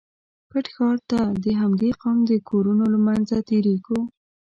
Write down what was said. پټ ښار ته د همدې قوم د کورونو له منځه تېرېږو.